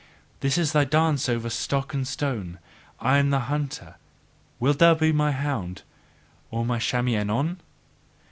This is a dance over stock and stone: I am the hunter, wilt thou be my hound, or my chamois anon?